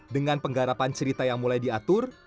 dengan penggarapan cerita yang mulai diatur